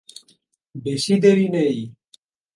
বেশি দেরি নেই।